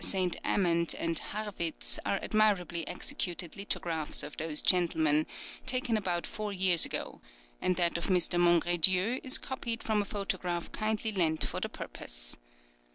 Saint Amant and Harrwitz are admirably executed lithographs of those gentlemen, taken about four years ago, and that of Mr. Mongredieu is copied from a photograph kindly lent for the purpose.